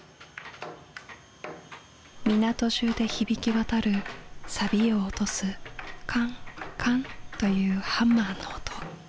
港中で響き渡るサビを落とすカンカンというハンマーの音。